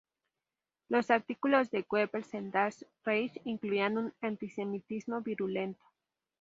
Los artículos de Goebbels en "Das Reich" incluían un antisemitismo virulento.